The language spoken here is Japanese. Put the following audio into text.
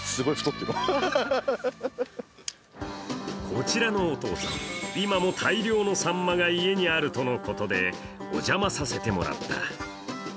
こちらのお父さん、今も大量のさんまが家にあるとのことで、お邪魔させてもらった。